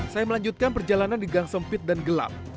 saya melanjutkan perjalanan di gang sempit dan gelap